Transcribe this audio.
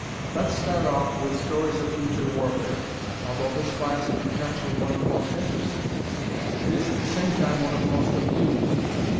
Let's start of with stories of future warfare. Although this class is potentially one of the most interesting, it is at the same time one of the most abused.